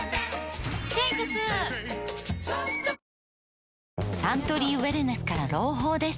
ペイトクサントリーウエルネスから朗報です